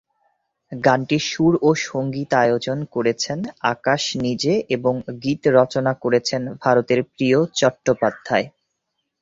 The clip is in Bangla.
গানটির সুর ও সঙ্গীতায়োজন করেছেন আকাশ নিজে এবং গীত রচনা করেছেন ভারতের প্রিয় চট্টোপাধ্যায়।